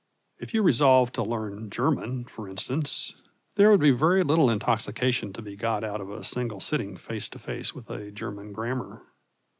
If you resolved to learn German, for instance, there would be very little intoxication to be got out of a single sitting face to face with a German grammar.